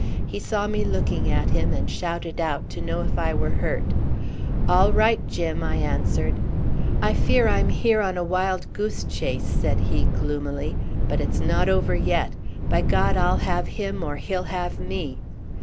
He saw me looking at him, and shouted out to know if I were hurt. "All right, Jim," I answered. "I fear I'm here on a wild goose chase," said he gloomily, "but it's not over yet. By God, I'll have him, or he'll have me!"